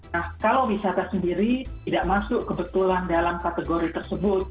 nah kalau wisata sendiri tidak masuk kebetulan dalam kategori tersebut